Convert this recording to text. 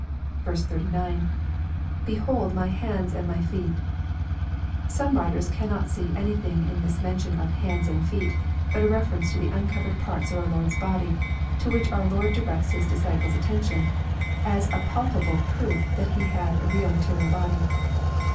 39. — [Behold my hands and my feet] Some writers cannot see any thing in this mention of " hands and feet," but a reference to the uncovered parts of our Lord's body, to which our Lord directs His disciples* attention, as a palpable proof that He had a real ma terial body.